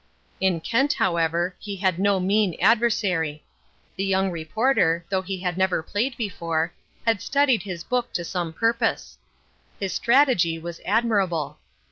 In Kent, however, he had no mean adversary. The young reporter, though he had never played before, had studied his book to some purpose. His strategy was admirable.